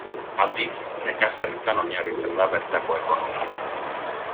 Aldiz, nekazaritzan oinarritzen da bertako ekonomia.